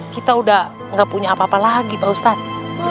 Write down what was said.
kita sudah nggak punya apa apa lagi pak ustadz